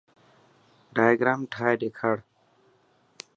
ڊائگرام ٺاهي ڏيکار.